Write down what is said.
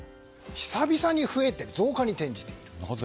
久々に増えて、増加に転じている。